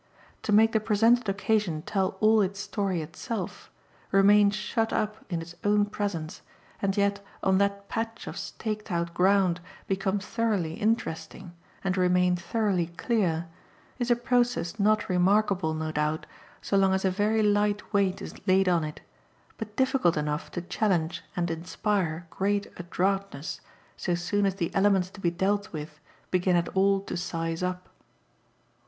To make the presented occasion tell all its story itself, remain shut up in its own presence and yet on that patch of staked out ground become thoroughly interesting and remain thoroughly clear, is a process not remarkable, no doubt, so long as a very light weight is laid on it, but difficult enough to challenge and inspire great adroitness so soon as the elements to be dealt with begin at all to "size up."